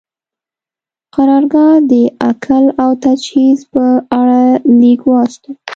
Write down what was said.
قرارګاه د اکل او تجهیز په اړه لیک واستاوه.